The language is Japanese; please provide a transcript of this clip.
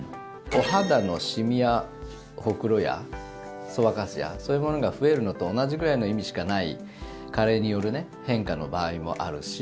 お肌のシミやほくろやそばかすやそういうものが増えるのと同じくらいの意味しかない加齢による変化の場合もあるし。